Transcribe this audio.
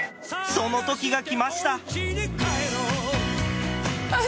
その時が来ました！